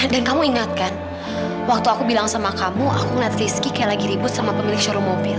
dan kamu ingatkan waktu aku bilang sama kamu aku ngeliat rizky kayak lagi ribut sama pemilik showroom mobil